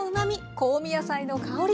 香味野菜の香り。